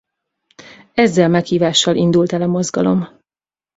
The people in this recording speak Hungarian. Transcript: Ezzel meghívással indult el a Mozgalom.